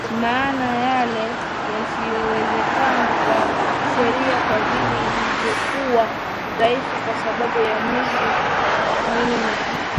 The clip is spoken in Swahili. Maana yale yasiyowezekana kwa sheria kwa vile ilivyokuwa dhaifu kwa sababu ya mwili Mungu